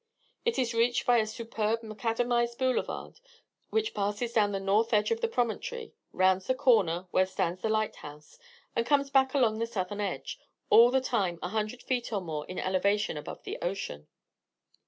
It is reached by a superb macadamized boulevard, which passes down the north edge of the promontory, rounds the corner where stands the lighthouse, and comes back along the southern edge, all the time a hundred feet or more in elevation above the ocean.